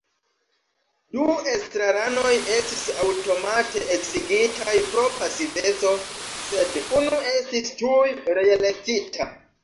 Du estraranoj estis aŭtomate eksigitaj pro pasiveco, sed unu estis tuj reelektita.